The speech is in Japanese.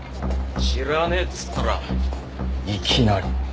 知らねえっつったらいきなり。